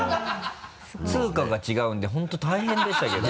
通貨が違うので本当大変でしたけどね。